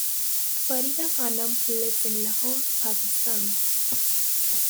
Farida Khanum lives in Lahore, Pakistan.